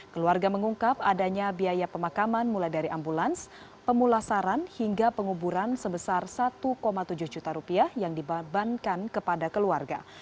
keluarga mengungkap adanya biaya pemakaman mulai dari ambulans pemulasaran hingga penguburan sebesar satu tujuh juta rupiah yang dibankan kepada keluarga